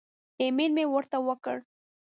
ایمیل مې ورته وکړ.